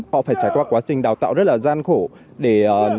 họ phải trải qua quá trình đào tạo rất là dài